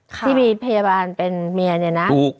ที่มีพยาบาลเป็นเมียเนี่ยนะ